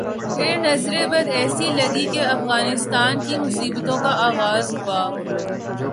پھر نظر بد ایسی لگی کہ افغانستان کی مصیبتوں کا آغاز ہوا۔